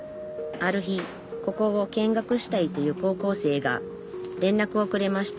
ある日ここを見学したいという高校生がれんらくをくれました。